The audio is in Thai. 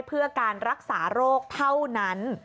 เพื่อการรักษาโรคเท่านั้น